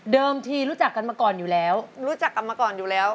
ทีรู้จักกันมาก่อนอยู่แล้วรู้จักกันมาก่อนอยู่แล้ว